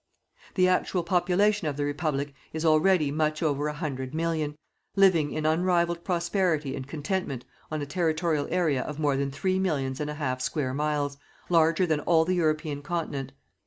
The actual population of the Republic is already much over a hundred million, living in unrivalled prosperity and contentment on a territorial area of more than three millions and a half square miles, larger than all the European Continent.